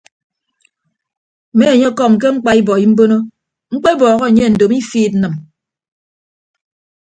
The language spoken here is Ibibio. Mme enye ọkọm mkpa ibọi mbono mkpebọhọ anye ndomo ifiid nnịm.